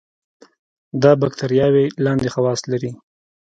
دا باکتریاوې لاندې خواص لري.